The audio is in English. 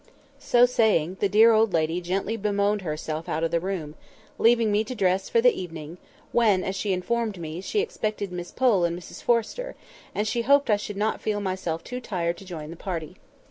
So saying, the dear old lady gently bemoaned herself out of the room, leaving me to dress for the evening, when, as she informed me, she expected Miss Pole and Mrs Forrester, and she hoped I should not feel myself too much tired to join the party.